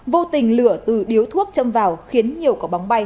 vô tình lửa từ điếu thuốc châm vào khiến nhiều cỏ bóng bay cùng lúc bị nổ